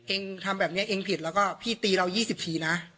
เองทำแบบนี้เองผิดแล้วก็พี่ตีเรา๒๐ทีนะ